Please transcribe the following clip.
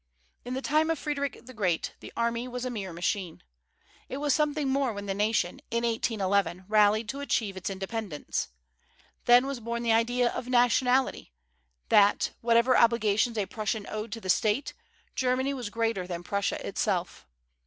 In the time of Frederic the Great the army was a mere machine. It was something more when the nation in 1811 rallied to achieve its independence. Then was born the idea of nationality, that, whatever obligations a Prussian owed to the state, Germany was greater than Prussia itself.